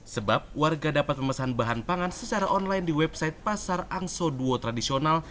sebab warga dapat memesan bahan pangan secara online di website pasar angso duo tradisional